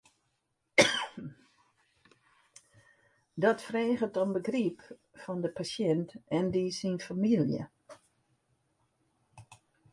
Dat freget om begryp fan de pasjint en dy syn famylje.